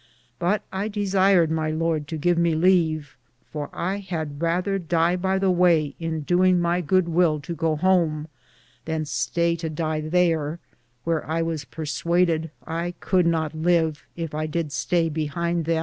But I desiered my lord to give me leve, for I had rether die by the way in doinge my good will to goo hom than staye to die thare, wheare I was perswaded I could not live if I did staye behinde them.